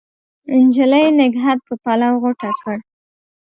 نجلۍ نګهت په پلو غوټه کړ